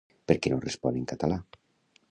Per què no respon en català?